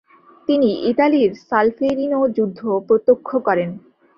তিনি ইতালির সলফেরিনো যুদ্ধ প্রত্যক্ষ করেন।